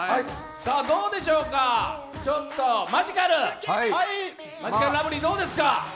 どうでしょうか、ちょっとマヂカルラブリーどうですか？